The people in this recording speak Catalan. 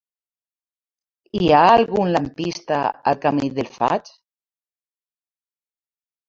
Hi ha algun lampista al camí del Faig?